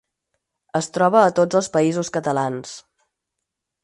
Es troba a tots els Països Catalans.